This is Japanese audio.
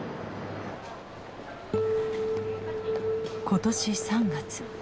今年３月。